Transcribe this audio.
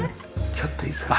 ちょっといいですか？